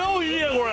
これ。